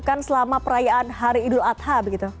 bukan selama perayaan hari idul adha